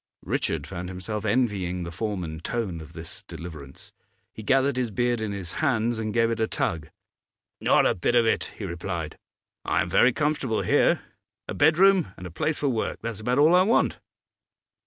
Richard found himself envying the form and tone of this deliverance; he gathered his beard in his hands and gave it a tug. 'Not a bit of it,' he replied. 'I am very comfortable here. A bedroom and a place for work, that's about all I want.